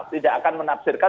tidak akan menafsirkan